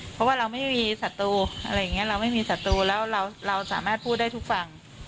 เพราะว่าเราไม่มีศัตรูอะไรอย่างนี้เราไม่มีศัตรูแล้วเราสามารถพูดได้ทุกฝั่ง